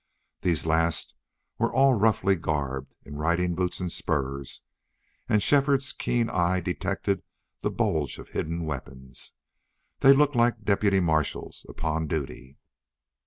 These last were all roughly garbed, in riding boots and spurs, and Shefford's keen eye detected the bulge of hidden weapons. They looked like deputy marshals upon duty.